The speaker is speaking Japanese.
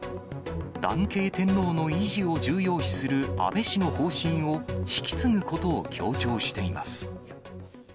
男系天皇の維持を重要視する安倍氏の方針を引き継ぐことを強調しています。